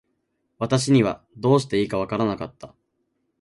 私にはどうしていいか分らなかった。